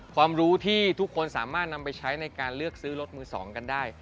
ความรู้ที่ทุกคนสามารถนำไปใช้ในการเลือกซื้อรถมือ๒กันได้